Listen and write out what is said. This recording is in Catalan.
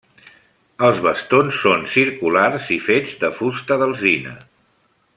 Els bastons són circulars i fets de fusta d'alzina.